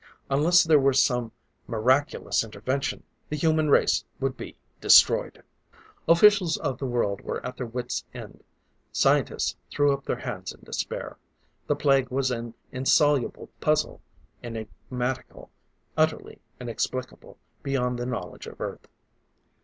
Unless there were some miraculous intervention, the human race would be destroyed! Officials of the world were at their wits' end; scientists threw up their hands in despair. The Plague was an insoluble puzzle enigmatical, utterly inexplicable, beyond the knowledge of Earth.